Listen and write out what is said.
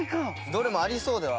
どれもありそうでは。